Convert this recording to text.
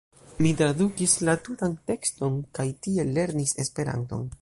Mi tradukis la tutan tekston kaj tiel lernis Esperanton.